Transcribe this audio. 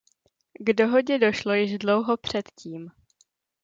K dohodě došlo již dlouho předtím.